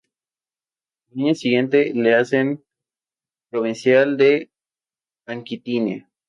Al año siguiente le hacen provincial de Aquitania.